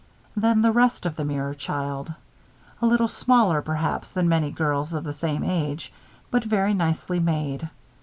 Then the rest of the mirror child. A little smaller, perhaps, than many girls of the same age; but very nicely made.